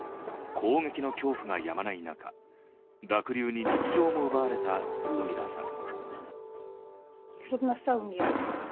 攻撃の恐怖がやまない中、濁流に日常も奪われたリュドミラさん。